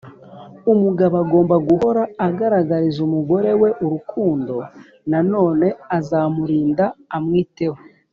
Umugabo agomba guhora agaragariza umugore we urukundo Nanone azamurinda amwiteho